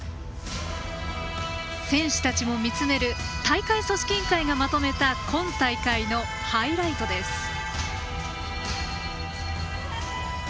選手たちも見つめる大会組織委員会がまとめた今大会のハイライトです。